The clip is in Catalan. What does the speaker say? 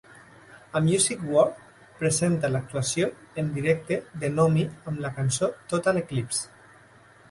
A Music War presenta l'actuació en directe de Nomi amb la cançó "Total Eclipse".